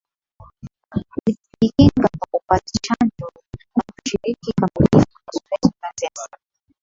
Kujikinga kwa kupata chanjo na kushiriki kikamilifu kwenye zoezi la Sensa